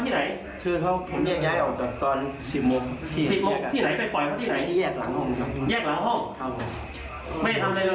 แค่ใจนะ